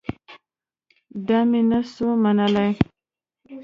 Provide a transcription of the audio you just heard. دا مې نه سو منلاى.